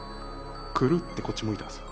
くるって、こっち向いたんです。